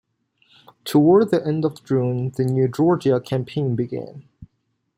Toward the end of June the New Georgia campaign began.